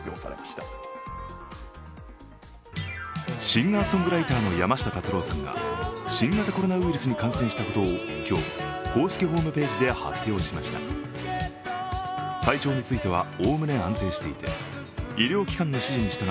シンガーソングライターの山下達郎さんが新型コロナウイルスに感染したことを今日、公式ホームページで発表しました。